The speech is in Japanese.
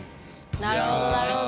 なるほどなるほど。